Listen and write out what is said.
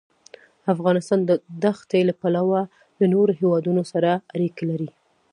افغانستان د ښتې له پلوه له نورو هېوادونو سره اړیکې لري.